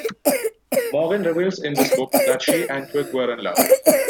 Maugin reveals in this book that she and Twig were in love.